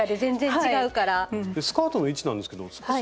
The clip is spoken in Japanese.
スカートの位置なんですけど少し。